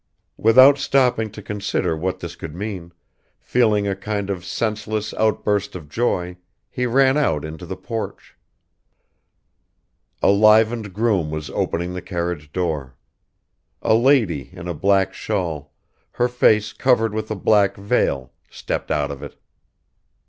Without stopping to consider what this could mean, feeling a kind of senseless outburst of joy, he ran out into the porch ... A livened groom was opening the carriage door; a lady in a black shawl, her face covered with a black veil, stepped out of it